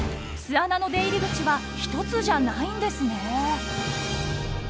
巣穴の出入り口は１つじゃないんですね。